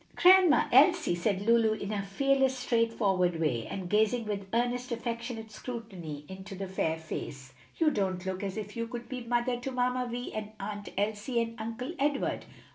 "Grandma Elsie," said Lulu in her fearless, straightforward way, and gazing with earnest, affectionate scrutiny into the fair face, "you don't look as if you could be mother to Mamma Vi and Aunt Elsie and Uncle Edward."